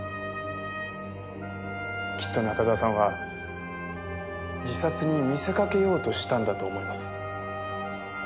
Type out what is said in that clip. きっと中沢さんは自殺に見せかけようとしたんだと思います。